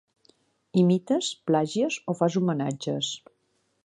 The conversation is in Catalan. Imites, plagies o fas homenatges.